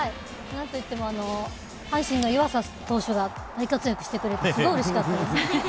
何といっても阪神の湯浅投手が大活躍してくれてすごいうれしかった。